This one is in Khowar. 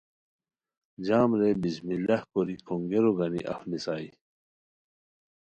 جام رے بسم اللہ کوری کھونگیرو گانی اف نیسائے